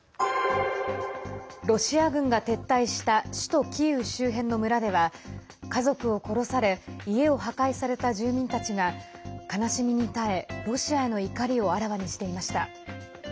ロシア軍が撤退した首都キーウ周辺の村では家族を殺され家を破壊された住民たちが悲しみに耐え、ロシアへの怒りをあらわにしていました。